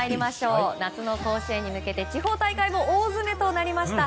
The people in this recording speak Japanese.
夏の甲子園に向けて地方大会も大詰めとなりました。